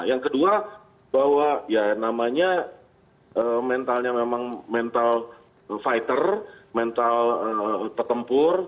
yang kedua bahwa ya namanya mentalnya memang mental fighter mental petempur